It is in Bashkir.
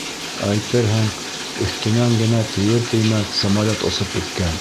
Әйтерһең, өҫтөнән генә тейер-теймәҫ самолет осоп үткән.